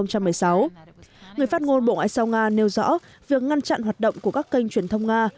các ngôn bộ ngoại giao nga nêu rõ việc ngăn chặn hoạt động của các kênh truyền thông nga